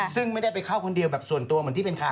ซึ่งไม่ได้ไปเข้าคนเดียวแบบส่วนตัวเหมือนที่เป็นข่าว